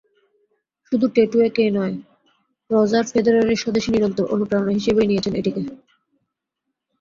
শুধু ট্যাটু এঁকেই নয়, রজার ফেদেরারের স্বদেশি নিরন্তর অনুপ্রেরণা হিসেবেই নিয়েছেন এটিকে।